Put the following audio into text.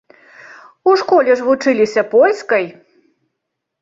У школе ж вучыліся польскай!